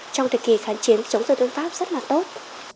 trong thời kỳ kháng chiến chống dân tương pháp rất là tốt